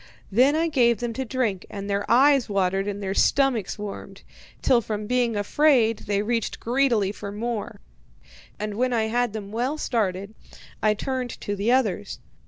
Then I gave them to drink, and their eyes watered and their stomachs warmed, till from being afraid they reached greedily for more; and when I had them well started, I turned to the others.